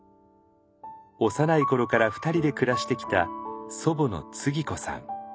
幼い頃から二人で暮らしてきた祖母のつぎ子さん。